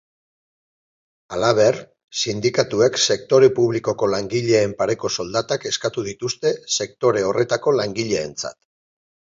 Halaber, sindikatuek sektore publikoko langileen pareko soldatak eskatu dituzte sektore horretako langileentzat.